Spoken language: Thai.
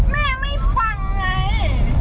แม่ไม่ฟังไง